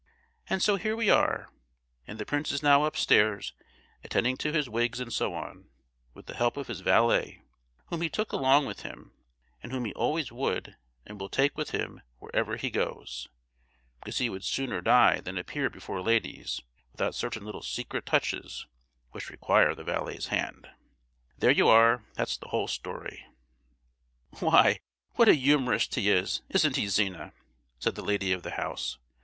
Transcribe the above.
And so here we are, and the prince is now upstairs attending to his wigs and so on, with the help of his valet, whom he took along with him, and whom he always would and will take with him wherever he goes; because he would sooner die than appear before ladies without certain little secret touches which require the valet's hand. There you are, that's the whole story." "Why, what a humourist he is, isn't he, Zina?" said the lady of the house.